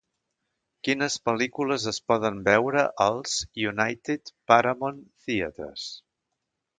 Quines pel·lícules es poden veure als United Paramount Theatres